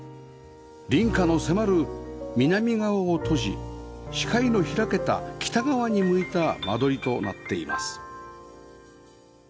隣家の迫る南側を閉じ視界の開けた北側に向いた間取りとなっています